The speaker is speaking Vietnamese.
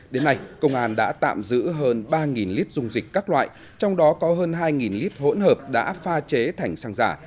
đến nay công an đã tạm giữ hơn ba lít dung dịch các loại trong đó có hơn hai lít hỗn hợp đã pha chế thành xăng giả